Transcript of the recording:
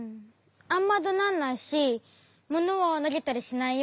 あんまどなんないしものはなげたりしないよ。